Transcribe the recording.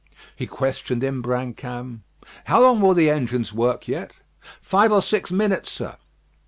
He questioned Imbrancam: "How long will the engines work yet?" "Five or six minutes, sir."